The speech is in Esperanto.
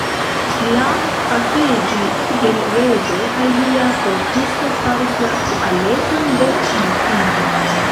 La _kafeĝi_ de l' Reĝo kaj lia portisto faris la tualeton de l' mortinto.